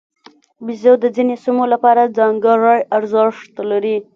بیزو د ځینو سیمو لپاره ځانګړی ارزښت لري.